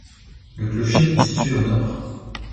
Le clocher est situé au nord.